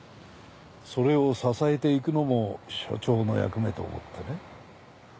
それを支えていくのも署長の役目と思ってね。